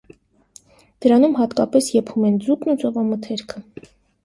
Դրանում հատկապես եփում են ձուկն ու ծովամթերքը։